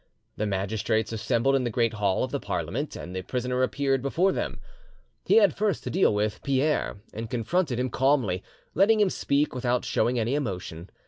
The magistrates assembled in the great hall of the Parliament, and the prisoner appeared before them. He had first to deal with Pierre, and confronted him calmly, letting him speak, without showing any emotion.